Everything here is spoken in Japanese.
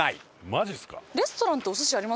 マジっすか？